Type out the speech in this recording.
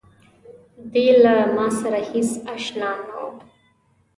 دی له ماسره هېڅ آشنا نه و.